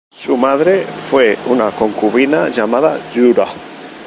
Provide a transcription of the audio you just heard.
Su madre fue una concubina llamada Yura.